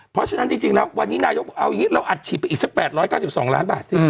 เพราะฉะนั้นจริงแล้ววันนี้นายกเอาอย่างนี้เราอัดฉีดไปอีกสัก๘๙๒ล้านบาทสิ